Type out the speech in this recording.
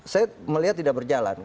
saya melihat tidak berjalan